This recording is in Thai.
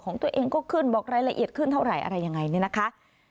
ของตัวเองก็ขึ้นบอกรายละเอียดขึ้นเท่าไหร่อะไรยังไงเนี่ยนะคะ